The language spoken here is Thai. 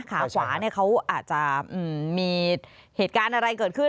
ขาขวาเขาอาจจะมีเหตุการณ์อะไรเกิดขึ้น